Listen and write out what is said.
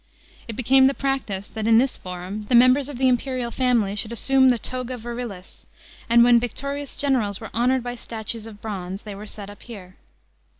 It became the practice that in this Forum, the members of tl e imperial family should assume the to.ua virilis; and when victorious generals were honoured by statues of bronz?, they were set up here.